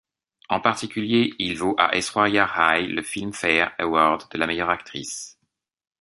En particulier, il vaut à Aishwarya Rai le Filmfare Award de la meilleure actrice.